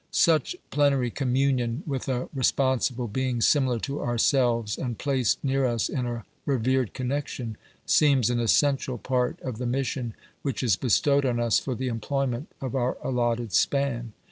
Such plenary communion with a responsible being similar to ourselves and placed near us in a revered connection, seems an essential part of the mission which is bestowed on us for the employment of our allotted span.